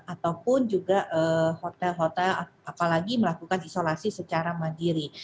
ataupun juga hotel hotel apalagi melakukan isolasi secara mandiri